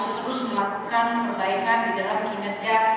terus melakukan perbaikan di dalam kinerja